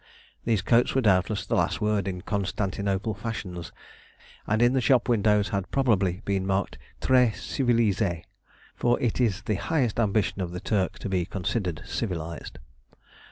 These coats were doubtless the last word in Constantinople fashions, and in the shop windows had probably been marked "Très civilisé," for it is the highest ambition of the Turk to be considered civilised.